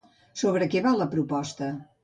Sobre què va la proposta?